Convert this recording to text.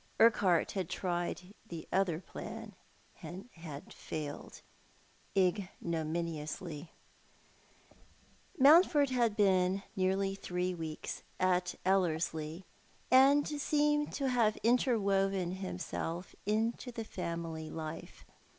Urqubart bad tried the other plan and had failed ignominiously Mountford had been nearly three weeks at Ellerslie, and seemed to have interwoven himself into the family life.